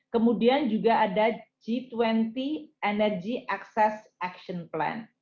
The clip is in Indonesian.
kemudian juga ada g dua puluh energy access action plan